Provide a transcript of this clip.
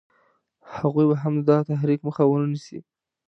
هغوی به هم د ده د تحریک مخه ونه نیسي.